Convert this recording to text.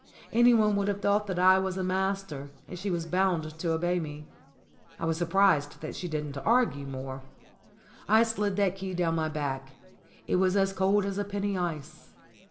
Anyone would have thought that I was a master, and she was bound to obey me. I was surprised that she didn't argue more. I slid that key down my back. It was as cold as a penny ice.